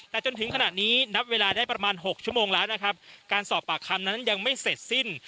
แต่จนถึงขณะนี้นับเวลาได้ประมาณหกชั่วโมงแล้วนะครับการสอบปากคำนั้นยังไม่เสร็จสิ้น